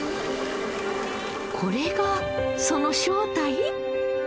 これがその正体？